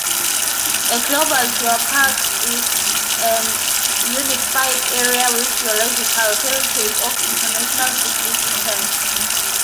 A "Global Geopark" is a unified area with geological heritage of international significance.